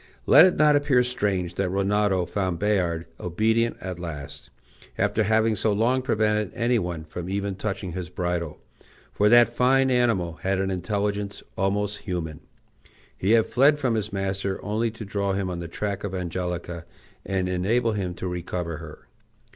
Let it not appear strange that Rinaldo found Bayard obedient at last, after having so long prevented any one from even touching his bridle; for that fine animal had an intelligence almost human; he had fled from his master only to draw him on the track of Angelica, and enable him to recover her.